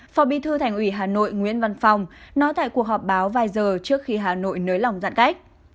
phó bí thư thành ủy hà nội nguyễn văn phòng nói tại cuộc họp báo vài giờ trước khi hà nội nới lỏng giãn cách